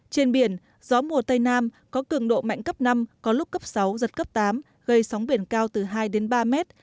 trên biển gió mùa tây nam có cường độ mạnh cấp năm có lúc cấp sáu giật cấp tám gây sóng biển cao từ hai đến ba mét